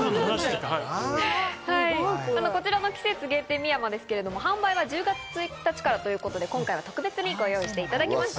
こちらの季節限定みやまですけど、販売は１０月１日からということで、今回は特別にご用意していただきました。